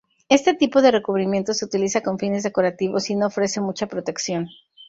Este tipo de recubrimiento se utiliza con fines decorativos y no ofrece mucha protección.